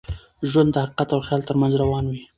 ژوند د حقیقت او خیال تر منځ روان وي.